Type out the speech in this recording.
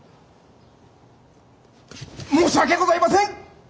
申し訳ございません！